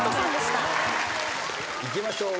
いきましょう。